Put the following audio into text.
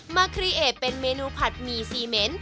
มาครีเอเป็นเมนูผัดหมี่ซีเหม็น